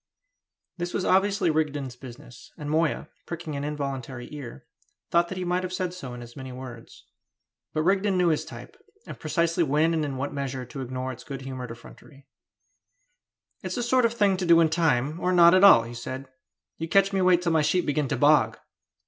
This was obviously Rigden's business, and Moya, pricking an involuntary ear, thought that he might have said so in as many words. But Rigden knew his type, and precisely when and in what measure to ignore its good humoured effrontery. "It's the sort of thing to do in time, or not at all," said he. "You catch me wait till my sheep begin to bog!"